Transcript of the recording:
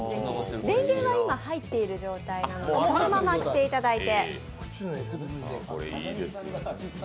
電源は今、入っている状態なのでそのまま着ていただいて。